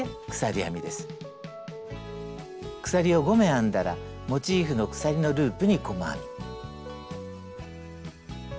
鎖を５目編んだらモチーフの鎖のループに細編み。